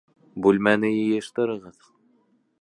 Бүлмәне йыйыштырығыҙ